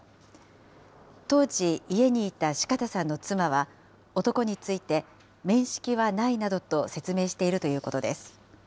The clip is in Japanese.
当時、家にいた四方さんの妻は、男について面識はないなどと説明しているということです。